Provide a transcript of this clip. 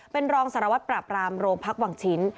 เป็นรองสารวัตรปราบรามโรงพักวังชิ้น